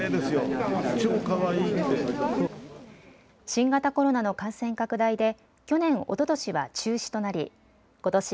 新型コロナの感染拡大で去年、おととしは中止となりことし